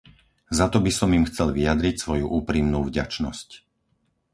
Za to by som im chcel vyjadriť svoju úprimnú vďačnosť.